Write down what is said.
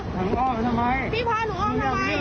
เป็นลูกค้าพี่ไง